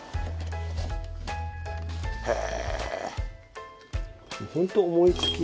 へえ。